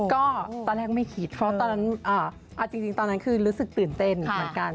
ก็ตอนแรกไม่คิดเพราะตอนนั้นเอาจริงตอนนั้นคือรู้สึกตื่นเต้นเหมือนกัน